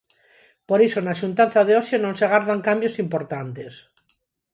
Por iso na xuntanza de hoxe non se agardan cambios importantes.